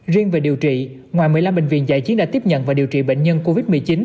riêng về điều trị ngoài một mươi năm bệnh viện giải chiến đã tiếp nhận và điều trị bệnh nhân covid một mươi chín